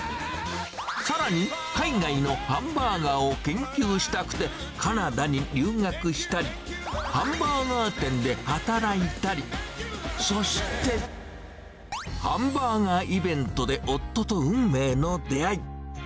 さらに、海外のハンバーガーを研究したくて、カナダに留学したり、ハンバーガー店で働いたり、そして、ハンバーガーイベントで夫と運命の出会い。